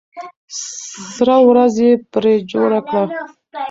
سره ورځ یې پرې جوړه کړه.